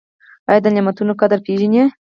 ایا د نعمتونو قدر پیژنئ؟